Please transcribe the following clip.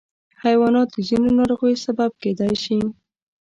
حیوانات د ځینو ناروغیو سبب کېدای شي.